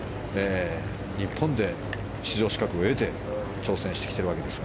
日本で出場資格を得て出場してきてます。